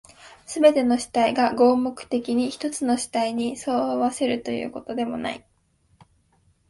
すべての主体が合目的的に一つの主体に綜合せられるということでもない。